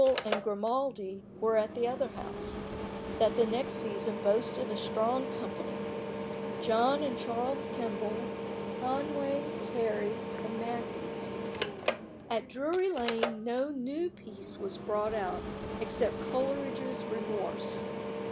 Kemble and Grimaldi were at the other house, that the next season boasted a strong company John and Charles Kemble, Conway, Terry, and Matthews. At Drury Lane no new piece was brought out except Coleridge's "Remorse."